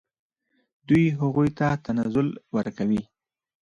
دوی هغوی ته تنزل ورکوي.